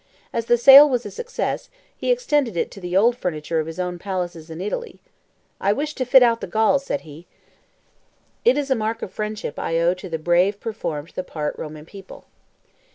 As the sale was a success, he extended it to the old furniture of his own palaces in Italy: "I wish to fit out the Gauls," said he; "it is a mark of friendship I owe to the brave performed the part Roman people."